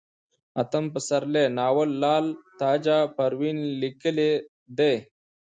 اتم پسرلی ناول لال تاجه پروين ليکلئ دی